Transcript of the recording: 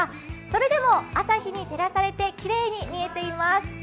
それでも朝日に照らされてきれいに見ています。